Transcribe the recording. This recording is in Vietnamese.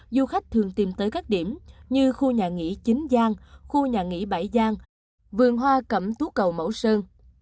du khách thường tìm tới các điểm như khu nhà nghỉ chính giang khu nhà nghỉ bảy gian vườn hoa cẩm tú cầu mẫu sơn